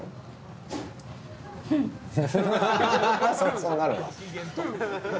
そうなるわ。